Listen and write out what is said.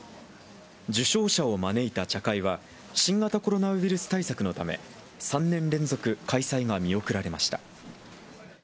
受章者を招いた茶会は、新型コロナウイルス対策のため、３年連続開催が見送られました。